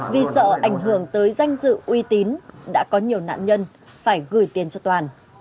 vì sợ ảnh hưởng tới danh dự uy tín đã có nhiều nạn nhân phải gửi tiền cho toàn